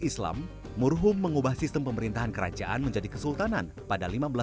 islam murhum mengubah sistem pemerintahan kerajaan menjadi kesultanan pada seribu lima ratus delapan puluh